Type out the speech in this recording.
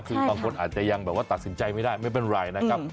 คือบางคนอาจจะยังแบบว่าตัดสินใจไม่ได้ไม่เป็นไรนะครับ